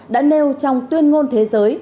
đã nêu trong tuyên ngôn thế giới